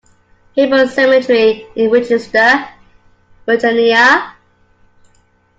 Hebron Cemetery in Winchester, Virginia.